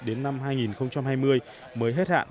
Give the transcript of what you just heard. đến năm hai nghìn hai mươi mới hết hạn